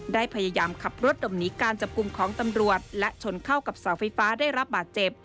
ได้พยายามขับรถหลบหนีการจับกลุ่มของตำรวจและชนเข้ากับเสาไฟฟ้าได้รับบาดเจ็บ